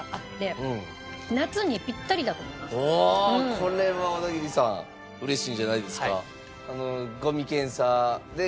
これは小田桐さん嬉しいんじゃないですか？